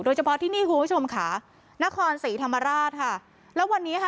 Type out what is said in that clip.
โดยเฉพาะที่นี่คุณผู้ชมค่ะนครศรีธรรมราชค่ะแล้ววันนี้ค่ะ